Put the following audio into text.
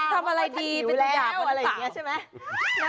ทำอะไรดีเป็นสิ่งแบบ